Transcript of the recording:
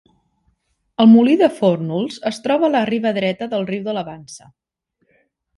El molí de Fórnols es troba a la riba dreta del riu de la Vansa.